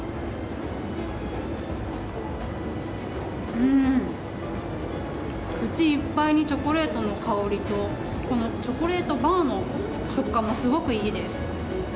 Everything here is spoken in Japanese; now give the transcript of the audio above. うーん、口いっぱいにチョコレートの香りとこの、チョコレートバーの食感もすごくいいです。